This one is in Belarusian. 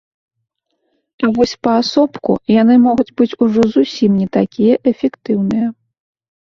А вось паасобку яны могуць быць ужо зусім не такія эфектыўныя.